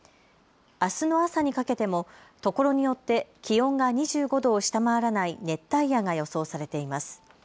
あすの朝にかけても所によって気温が２５度を下回らない熱帯夜が予想されています。